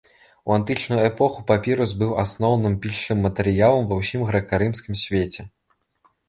У антычную эпоху папірус быў асноўным пісчым матэрыялам ва ўсім грэка-рымскім свеце.